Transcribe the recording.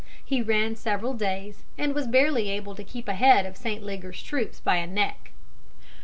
He ran several days, and was barely able to keep ahead of St. Leger's troops by a neck.